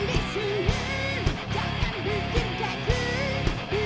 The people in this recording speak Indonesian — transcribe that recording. jangan terlalu hati